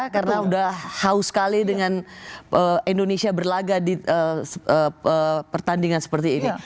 karena sudah haus sekali dengan indonesia berlagak di pertandingan seperti ini